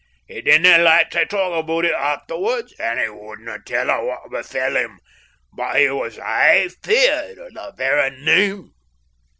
He didna like tae talk aboot it afterwards, and he wouldna tell a' what befell him, but he was aye feared o' the very name.